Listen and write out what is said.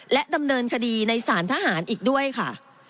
และดำเนินคดีในสารทหารอีกด้วยค่ะ